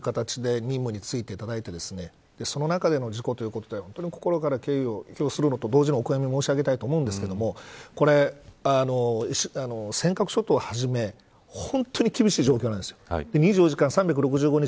本当に南西諸島は厳しい安全保障の環境で日々、自衛隊の皆さんがこういう形で任務に就いていただいてその中での事故ということで心から敬意を表すると同時にお悔みを申し上げたいと思うんですが尖閣諸島をはじめ本当に厳しい状況なんです。